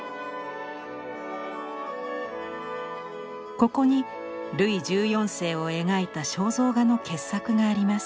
ここにルイ１４世を描いた肖像画の傑作があります。